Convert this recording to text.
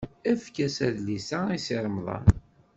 Efk-as adlis-a i Si Remḍan.